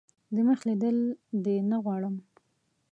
دمخ لیدل دي نه غواړم .